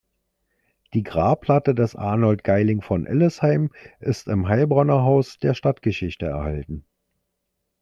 Die Grabplatte des Arnold Geiling von Illesheim ist im Heilbronner Haus der Stadtgeschichte erhalten.